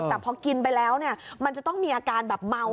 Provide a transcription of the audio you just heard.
แต่พอกินไปแล้วมันจะต้องมีอาการเมา